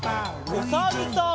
おさるさん。